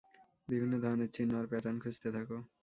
বিভিন্ন ধরনের চিহ্ন আর প্যাটার্ন খুঁজতে থাকো।